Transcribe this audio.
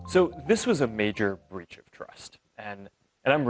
jadi ini adalah kecacatan yang besar